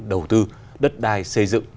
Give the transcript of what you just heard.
đầu tư đất đai xây dựng